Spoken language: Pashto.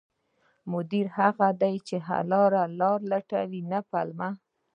مدیر هغه دی چې حل لارې لټوي، نه پلمه